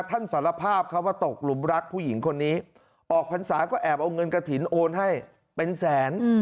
ท่านสารภาพเขาว่าตกหลุมรักผู้หญิงคนนี้ออกภัณฑ์ศาสตร์ก็แอบเอาเงินกระถิ่นโอนให้เป็นแสน